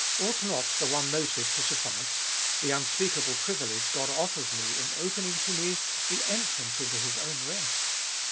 Ought not the one motive to suffice ?— the unspeakable privilege God offers me in opening to me the entrance into His own rest.